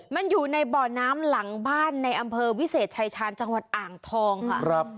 มันอยู่ในบ่อน้ำหลังบ้านในอำเภอวิเศษชายชาญจังหวัดอ่างทองค่ะ